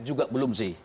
juga belum sih